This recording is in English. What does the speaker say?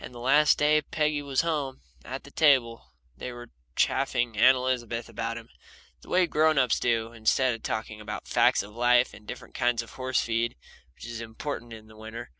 The last day Peggy was home, at the table, they were chaffing Aunt Elizabeth about him, the way grown ups do, instead of talking about the facts of life and different kinds of horse feed, which is important in the winter.